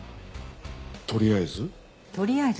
とりあえず。